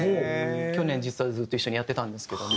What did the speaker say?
去年実はずっと一緒にやってたんですけども。